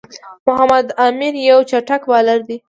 محمد عامِر یو چټک بالر دئ.